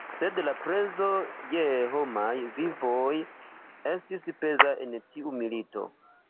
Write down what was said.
Sed la prezo je homaj vivoj estis peza en tiu milito.